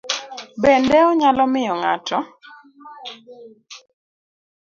Bende onyalo miyo ng'ato